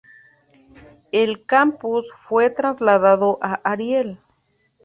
El campus fue trasladado a Ariel.